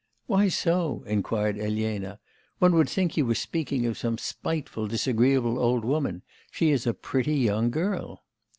'Why so?' inquired Elena. 'One would think you were speaking of some spiteful, disagreeable old woman. She is a pretty young girl.